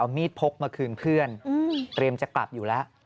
มีดพกมาคืนเพื่อนเตรียมจะกลับอยู่แล้ว